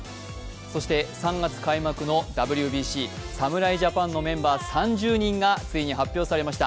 そして３月開幕のＷＢＣ、侍ジャパンのメンバー３０人がついに発表されました。